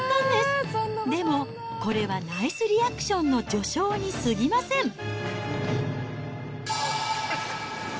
でも、これはナイスリアクションの序章にすぎません。